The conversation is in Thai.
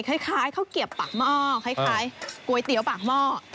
คล้ายข้าวเกียบปากหม้อคล้ายก๋วยเตี๋ยวปากหม้อ